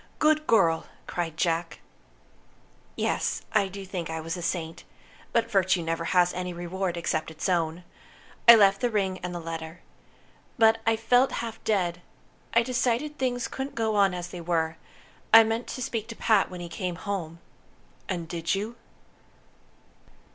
"Good girl!" cried Jack. "Yes, I do think I was a saint. But virtue never has any reward except its own. I left the ring and the letter. But I felt half dead. I decided things couldn't go on as they were. I meant to speak to Pat when he came home." "And did you?"